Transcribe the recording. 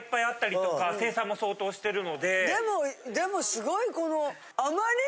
でもでも凄いこの。